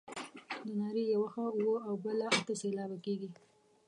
د نارې یوه خوا اووه او بله اته سېلابه کیږي.